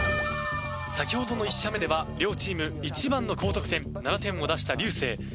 先ほどの１射目では両チーム一番の高得点７点を出した流星。